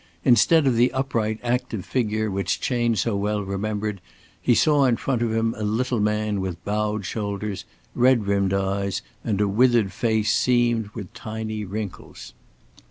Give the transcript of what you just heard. Instead of the upright, active figure which Chayne so well remembered, he saw in front of him a little man with bowed shoulders, red rimmed eyes, and a withered face seamed with tiny wrinkles.